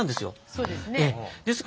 そうですね。